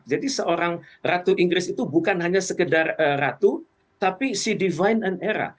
jadi seorang ratu inggris itu bukan hanya sekedar ratu tapi si divine and era